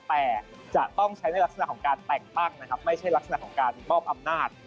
แต่จะต้องใช้ในลักษณะของการแต่งตั้งนะครับไม่ใช่ลักษณะของการมอบอำนาจ